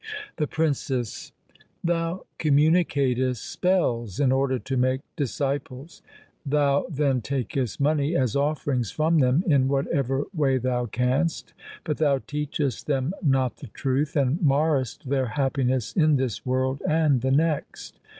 The Princess Thou communicatest spells in order to make disciples. Thou then takest money as offerings from them in whatever way thou canst, but thou teachest them not the truth, and marrest their happiness in this world and the next.